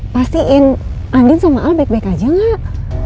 pastiin andin sama al baik baik aja nggak